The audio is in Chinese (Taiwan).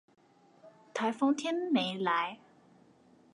颱風天沒來